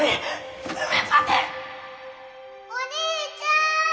お兄ちゃん！